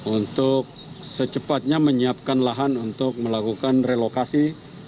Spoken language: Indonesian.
untuk secepatnya menyiapkan lahan untuk melakukan relokasi